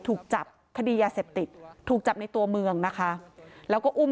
ถูกจับคดียาเสพติดถูกจับในตัวเมืองนะคะแล้วก็อุ้ม